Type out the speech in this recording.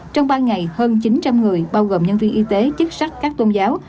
trong ba ngày hơn chín trăm linh người bao gồm nhân viên y tế chức sắc các tôn giáo